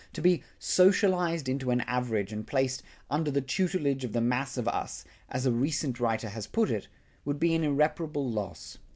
To be "socialized into an average" and placed "under the tutelage of the mass of us," as a recent writer has put it, would be an irreparable loss.